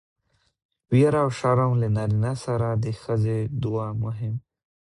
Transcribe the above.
ويره او شرم له نارينه سره د ښځې دوه مهم